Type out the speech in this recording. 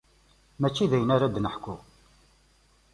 Mačči d ayen ara d-neḥku.